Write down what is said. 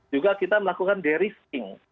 juga kita melakukan derisking